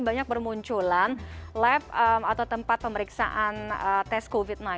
banyak bermunculan lab atau tempat pemeriksaan tes covid sembilan belas